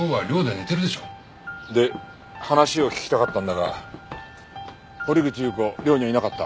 で話を聞きたかったんだが堀口裕子寮にはいなかった。